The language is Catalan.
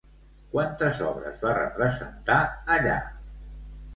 Quantes obres va representar allà?